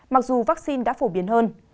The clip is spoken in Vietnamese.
mặc dù vaccine đã phổ biến hơn